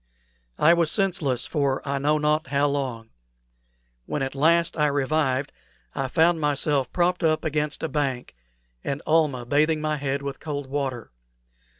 I was senseless for I know not how long. When at last I revived I found myself propped up against a bank, and Almah bathing my head with cold water.